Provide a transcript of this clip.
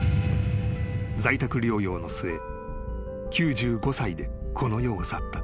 ［在宅療養の末９５歳でこの世を去った］